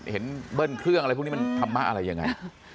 เบิ้ลเครื่องอะไรพวกนี้มันธรรมะอะไรยังไง